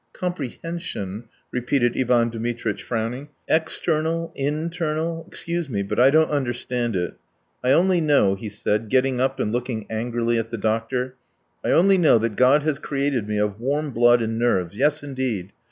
"Comprehension ..." repeated Ivan Dmitritch frowning. "External, internal. ... Excuse me, but I don't understand it. I only know," he said, getting up and looking angrily at the doctor "I only know that God has created me of warm blood and nerves, yes, indeed!